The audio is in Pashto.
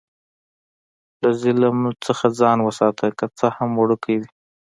له ظلم نه ځان وساته، که څه هم وړوکی وي.